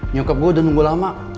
nyokap gue udah nunggu lama